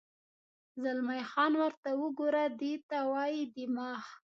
زلمی خان: ورته وګوره، دې ته وایي دماغ.